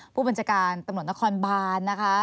ผู้บัญชาการตำรวจนครบานนะคะ